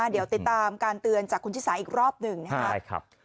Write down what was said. เดี๋ยวติดตามการเตือนจากคุณชิสาอีกรอบหนึ่งนะครับ